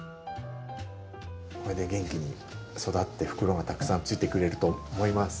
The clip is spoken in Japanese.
これで元気に育って袋がたくさんついてくれると思います。